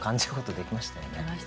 できましたね。